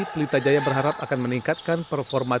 jadi saya merasa saya bisa meningkatkan semuanya